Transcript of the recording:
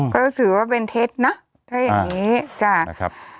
ก็รู้สึกว่าเป็นเทสนะใช่แบบนี้